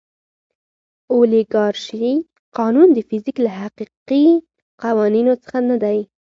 اولیګارشي قانون د فزیک له حقیقي قوانینو څخه نه دی.